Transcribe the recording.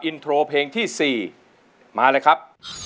อินโทรเพลงที่๔มาเลยครับ